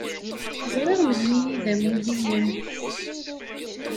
Zṛiɣ melmi i d amulli-im.